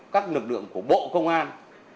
các lực lượng của bộ công an